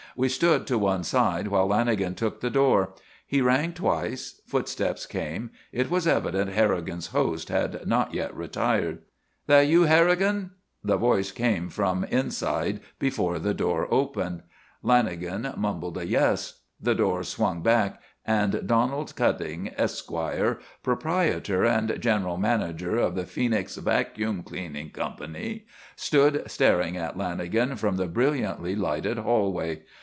We stood to one side, while Lanagan took the door. He rang twice. Footsteps came. It was evident Harrigan's host had not yet retired. "That you, Harrigan?" the voice came from inside before the door opened. Lanagan mumbled a yes. The door swung back and Donald Cutting, Esq., proprietor and general manager of the Phoenix Vacuum Cleaning Company stood staring at Lanagan from the brilliantly lighted hallway.